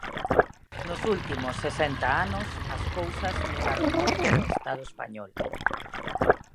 Nos últimos sesenta anos as cousas mudaron moito no Estado español.